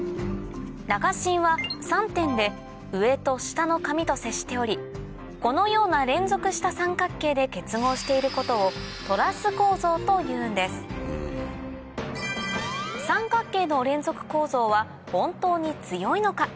中芯は３点で上と下の紙と接しておりこのような連続した三角形で結合していることをトラス構造というんです三角形の連続構造は本当に強いのか？